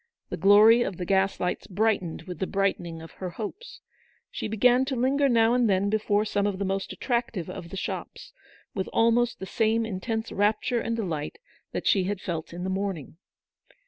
The glory of the gas lights brightened with the brightening of her hopes. She began to linger now and then before some of the most attractive of the shops, with almost the same intense rapture and delight that she had felt in the morning.